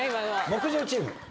木１０チーム。